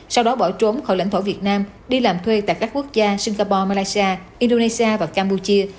sau đó bỏ trốn khỏi lãnh thổ việt nam đi làm thuê tại các quốc gia singapore malaysia indonesia và campuchia